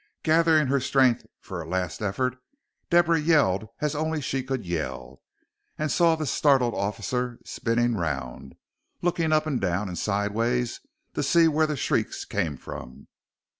Gathering her strength for a last effort, Deborah yelled as only she could yell, and saw the startled officer spinning round, looking up and down and sideways to see where the shrieks came from.